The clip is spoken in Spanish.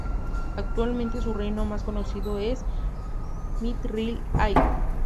Actualmente su reino más conocido es Mithril Hall.